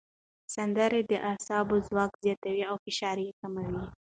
سندرې د اعصابو ځواک زیاتوي او فشار کموي.